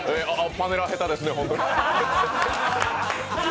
パネラー、下手ですね、本当に。